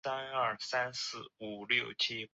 世界上大部分学校都至少教授一种外国语言。